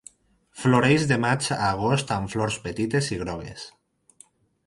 Floreix de maig a agost amb flors petites i grogues.